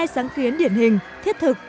một mươi hai sáng kiến điển hình thiết thực